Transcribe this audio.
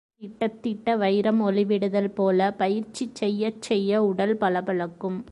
பட்டை தீட்டத் தீட்ட வைரம் ஒளிவிடுதல் போல, பயிற்சி செய்யச் செய்ய உடல் பளபளக்கும்.